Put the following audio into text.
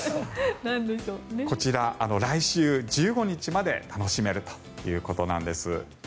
こちら、来週１５日まで楽しめるということです。